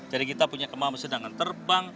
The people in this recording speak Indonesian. jadi kita punya kemampuan sedangkan terbang